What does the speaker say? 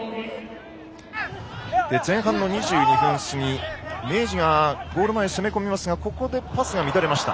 前半の２２分過ぎ明治がゴール前攻め込みますがここでパスが乱れました。